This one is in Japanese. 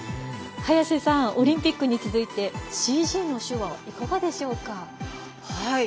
早瀬さん、オリンピックに続いてＣＧの手話、いかがでしょうか？